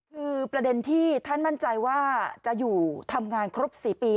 คือประเด็นที่ท่านมั่นใจว่าจะอยู่ทำงานครบ๔ปี